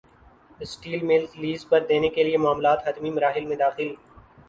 steel mills lease پر دینے کیلئے معاملات حتمی مراحل میں داخل